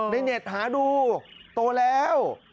เน็ตหาดูโตแล้ว